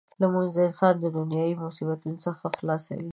لمونځ انسان د دنیايي مصیبتونو څخه خلاصوي.